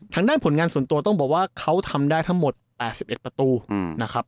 ทางด้านผลงานส่วนตัวต้องบอกว่าเขาทำได้ทั้งหมด๘๑ประตูนะครับ